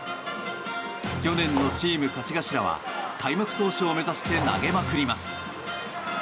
去年のチーム勝ち頭は開幕投手を目指して投げまくります。